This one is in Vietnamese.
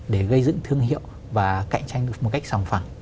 để gây dựng thương hiệu và cạnh tranh được một cách sòng phẳng